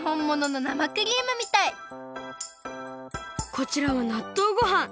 こちらはなっとうごはん。